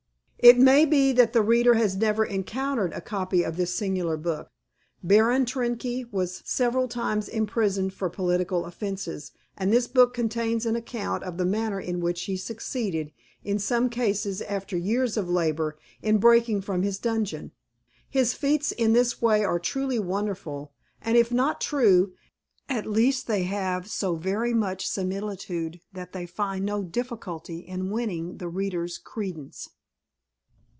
It may be that the reader has never encountered a copy of this singular book. Baron Trenck was several times imprisoned for political offences, and this book contains an account of the manner in which he succeeded, in some cases after years of labor, in breaking from his dungeon. His feats in this way are truly wonderful, and, if not true, at least they have so very much similitude that they find no difficulty in winning the reader's credence.